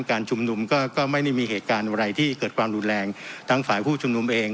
การชุมนุมก็ก็ไม่ได้มีเหตุการณ์อะไรที่เกิดความรุนแรงทั้งฝ่ายผู้ชุมนุมเอง